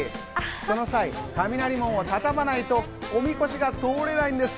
その際、雷門を畳まないとお神輿が通れないんです。